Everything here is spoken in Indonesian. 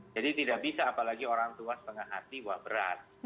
jadi tidak bisa apalagi orang tua setengah hati wah berat